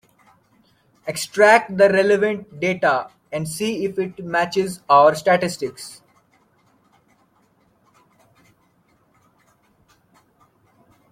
Extract the relevant data and see if it matches our statistics.